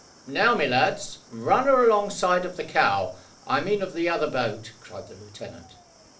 "Now, my lad, run her alongside of the cow I mean of the other boat," cried the lieutenant.